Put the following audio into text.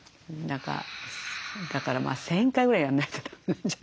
だから１，０００回ぐらいやんないとだめなんじゃない。